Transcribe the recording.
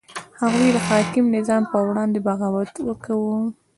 هغوی د حاکم نظام په وړاندې بغاوت کاوه.